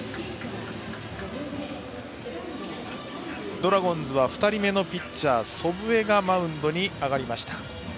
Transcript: ドラゴンズは２人目のピッチャー、祖父江がマウンドに上がりました。